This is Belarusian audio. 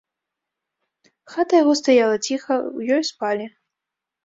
Хата яго стаяла ціха, у ёй спалі.